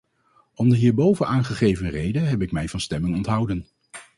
Om de hierboven aangegeven redenen heb ik mij van stemming onthouden.